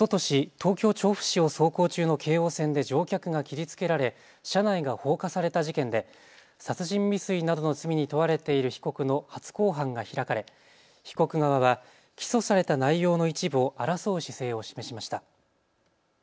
東京調布市を走行中の京王線で乗客が切りつけられ車内が放火された事件で殺人未遂などの罪に問われている被告の初公判が開かれ被告側は起訴された内容の一部を争う姿勢を示しました。